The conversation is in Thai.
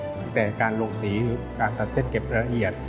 ตั้งแต่การลงสีหรือการตัดเส้นเก็บรายละเอียด